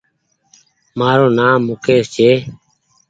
مآرو نآم مڪيش ڇي